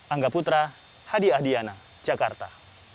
angga putra hadi ahdiana jakarta